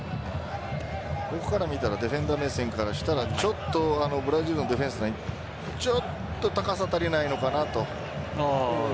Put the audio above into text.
僕から見たらディフェンダー目線からしたらちょっとブラジルのディフェンスラインちょっと高さ足りないのかなと。